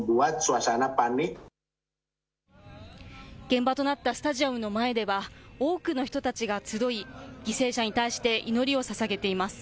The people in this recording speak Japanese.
現場となったスタジアムの前では、多くの人たちが集い、犠牲者に対して祈りをささげています。